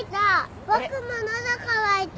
僕も喉渇いた。